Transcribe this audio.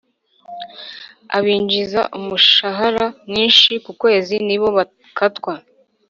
abinjiza umushahara mwishi kukwezi nibo bakatwa